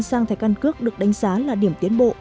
sang thẻ căn cước được đánh giá là điểm tiến bộ